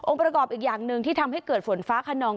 ประกอบอีกอย่างหนึ่งที่ทำให้เกิดฝนฟ้าขนอง